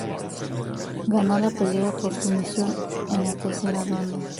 Ganó la pelea por sumisión en la tercera ronda.